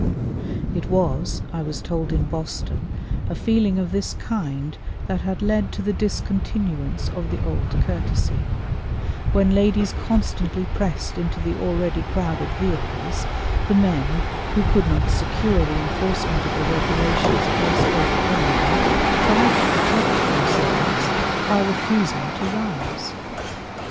It was (I was told in Boston) a feeling of this kind that had led to the discontinuance of the old courtesy: when ladies constantly pressed into the already crowded vehicles, the men, who could not secure the enforcement of the regulations against over crowding, tried to protect themselves by refusing to rise.